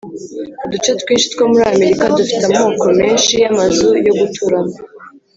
Uduce twinshi two muri amerika dufite amoko menshi y amazu yo guturamo